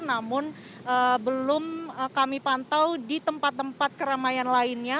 namun belum kami pantau di tempat tempat keramaian lainnya